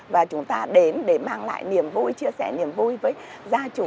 và chúng ta đến để mang lại niềm vui chia sẻ niềm vui với gia chủ